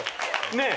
ねえ。